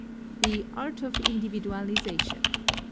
The 'Art of Individualization.'